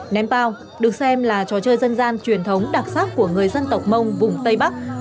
ném pao được xem là trò chơi dân gian truyền thống đặc sắc của người dân tộc mông vùng tây bắc